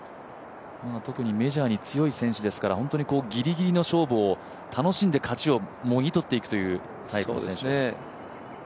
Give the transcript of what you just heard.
特にメジャーに強い選手ですから本当にギリギリの勝負を楽しんで勝ちをもぎとっていくというタイプですね。